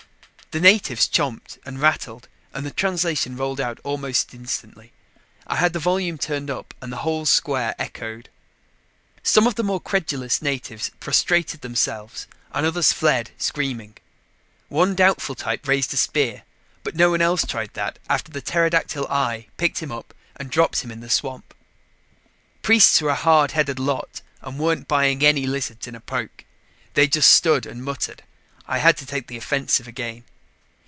The natives chomped and rattled and the translation rolled out almost instantly. I had the volume turned up and the whole square echoed. Some of the more credulous natives prostrated themselves and others fled screaming. One doubtful type raised a spear, but no one else tried that after the pterodactyl eye picked him up and dropped him in the swamp. The priests were a hard headed lot and weren't buying any lizards in a poke; they just stood and muttered. I had to take the offensive again.